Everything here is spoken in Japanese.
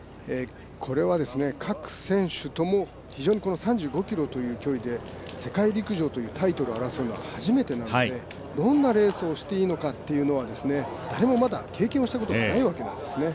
これは、各選手とも非常にこの３５ｋｍという距離で世界陸上というタイトルを争うのは初めてなのでどんなレースをしていいのかっていうのは誰もまだ経験をしたことがないわけなんですね。